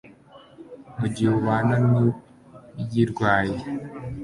mu gihe ubana n'uyirwaye.